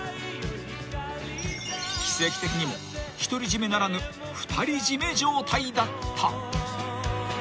［奇跡的にも独り占めならぬ二人占め状態だった］